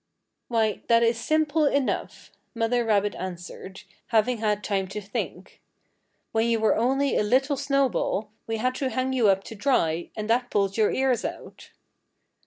"Why, that is simple enough," Mother rabbit answered, having had time to think. "When you were only a little snowball, we had to hang you up to dry, and that pulled your ears out."